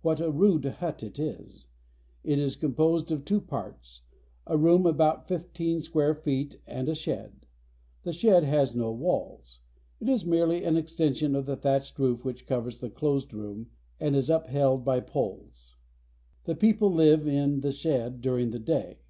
What a rude hut it is! It is composed of two parts, a room about fifteen feet square and a shed. The shed has no walls. It is merely an extension of the thatched roof which covers the closed room, and is upheld by poles. The people live in the shed during the day.